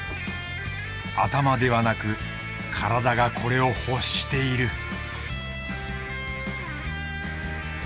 頭ではなく体がこれを欲している